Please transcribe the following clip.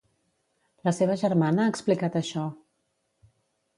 La seva germana ha explicat això.